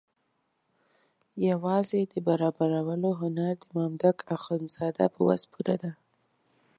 یوازې د برابرولو هنر د مامدک اخندزاده په وس پوره ده.